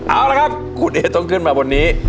เอาละครับคุณเอต้องขึ้นมาบนนี้